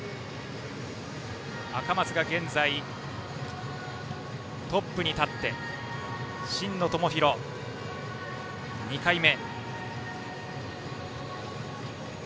赤松が現在トップに立って真野友博、２回目。